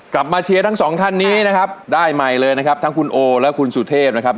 กลับมาเชียร์ทั้งสองท่านนี้นะครับได้ใหม่เลยนะครับทั้งคุณโอและคุณสุเทพนะครับ